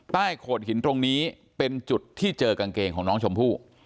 โขดหินตรงนี้เป็นจุดที่เจอกางเกงของน้องชมพู่